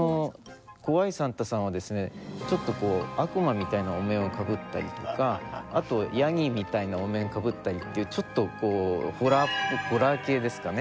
怖いサンタさんはですねちょっと悪魔みたいなお面をかぶったりとかあとヤギみたいなお面かぶったりっていうちょっとこうホラー系ですかね。